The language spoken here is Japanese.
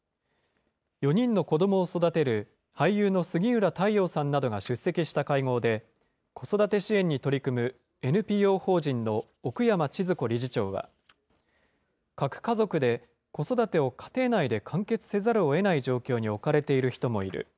４人の子どもを育てる俳優の杉浦太陽さんなどが出席した会合で、子育て支援に取り組むＮＰＯ法人の奥山千鶴子理事長は、核家族で子育てを家庭内で完結せざるをえない状況に置かれている人もいる。